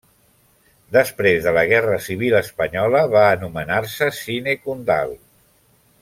Després de la Guerra civil espanyola, va anomenar-se Cine Condal.